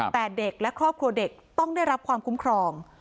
แต่เด็กและครอบครัวเด็กต้องได้รับความคุ้มครอง